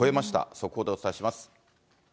速報でお伝えします。